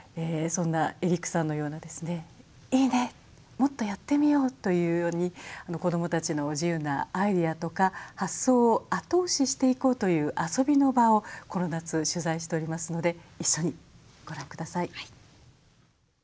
もっとやってみよう」というように子どもたちの自由なアイデアとか発想を後押ししていこうという遊びの場をこの夏取材しておりますので一緒にご覧下さい。